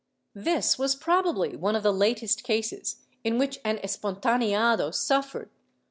^ This was probably one of the latest cases in which an espontaneado suffered.